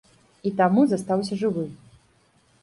І таму застаўся жывы.